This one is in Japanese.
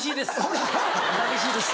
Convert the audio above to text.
寂しいです。